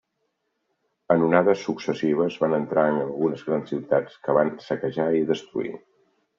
En onades successives, van entrar en algunes grans ciutats, que van saquejar i destruir.